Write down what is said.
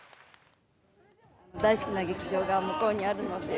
大好きな劇場が向こうにあるので。